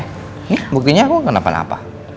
ini buktinya aku kenapa napa